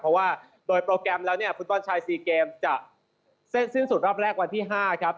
เพราะว่าโดยโปรแกรมแล้วเนี่ยฟุตบอลชาย๔เกมจะเส้นสิ้นสุดรอบแรกวันที่๕ครับ